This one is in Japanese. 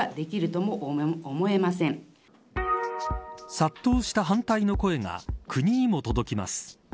殺到した反対の声が国にも届きます。